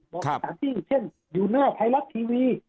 บอกสถานที่อยู่เช่นอยู่หน้าพัยลักษณ์ทีวี